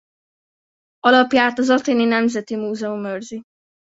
Alapját az Athéni Nemzeti Múzeum őrzi.